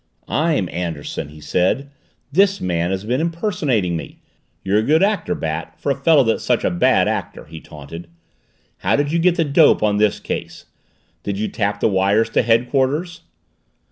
"I'm Anderson," he said. "This man has been impersonating me. You're a good actor, Bat, for a fellow that's such a bad actor!" he taunted. "How did you get the dope on this case? Did you tap the wires to headquarters?"